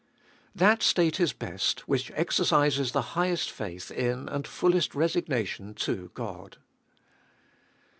2. "That state is best, which exercises the highest faith in and fullest resignation to God."